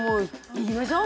いきましょう。